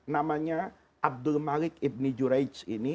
namanya abdul malik ibni juraij ini